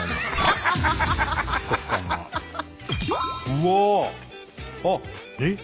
うわ！えっ？